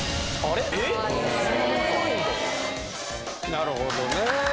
なるほどね。